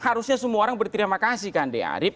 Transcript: harusnya semua orang berterima kasih ke andi arief